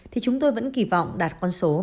thì chúng tôi vẫn kỳ vọng đạt con số